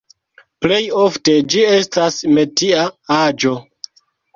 Plej ofte ĝi estas metia aĵo.